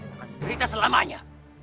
akan berita selamanya